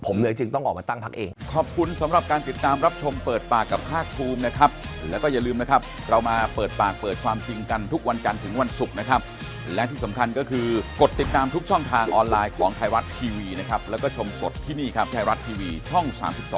ผมเลยจึงต้องออกมาตั้งพักเอง